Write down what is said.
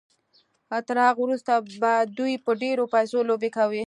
تر هغه وروسته به دوی په ډېرو پيسو لوبې کوي.